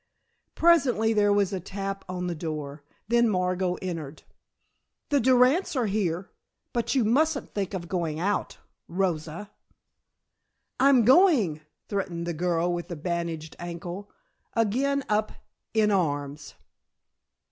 Presently there was a tap at the door, then Margot entered. "The Durand's are here but you mustn't think of going out, Rosa " "I'm going!" threatened the girl with the bandaged ankle, again up "in arms."